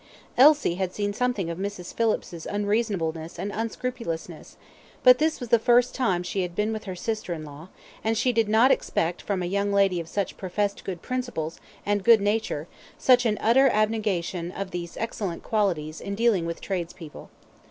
Elsie had seen something of Mrs. Phillips's unreasonableness and unscrupulousness, but this was the first time she had been with her sister in law, and she did not expect from a young lady of such professed good principles, and good nature, such an utter abnegation of these excellent qualities in dealing with tradespeople.